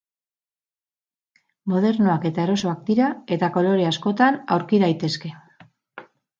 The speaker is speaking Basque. Modernoak eta erosoak dira eta kolore askotan aurki daitezke.